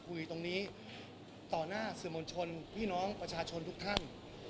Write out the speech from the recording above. คุยตรงนี้ต่อหน้าสื่อมวลชนพี่น้องประชาชนทุกท่าน